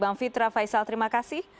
bang fitra faisal terima kasih